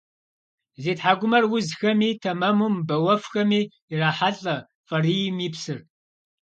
Зи тхьэкӏумэр узхэми, тэмэму мыбэуэфхэми ирахьэлӏэ фӏарийм и псыр.